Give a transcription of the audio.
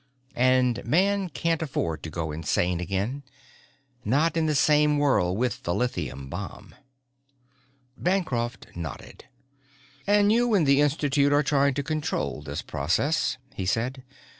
And man can't afford to go insane again. Not in the same world with the lithium bomb." Bancroft nodded. "And you in the Institute are trying to control this process," he said.